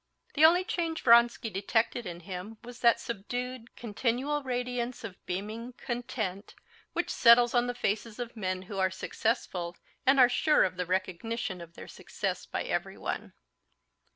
The only change Vronsky detected in him was that subdued, continual radiance of beaming content which settles on the faces of men who are successful and are sure of the recognition of their success by everyone.